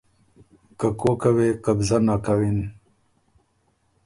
که کوکه وې قبضه نک کوِن۔